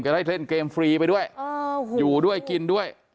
ได้เล่นเกมฟรีไปด้วยอยู่ด้วยกินด้วย